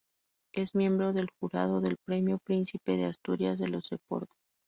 Es miembro del jurado del Premio Príncipe de Asturias de los Deportes.